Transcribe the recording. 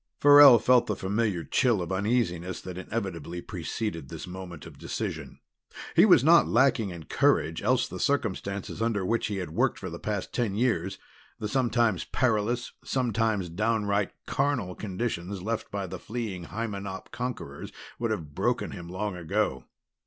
Farrell felt the familiar chill of uneasiness that inevitably preceded this moment of decision. He was not lacking in courage, else the circumstances under which he had worked for the past ten years the sometimes perilous, sometimes downright charnel conditions left by the fleeing Hymenop conquerors would have broken him long ago.